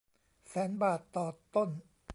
แสนบาทต่อต้น